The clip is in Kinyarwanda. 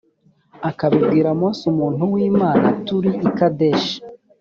akabibwira mose umuntu w imana turi i kadeshi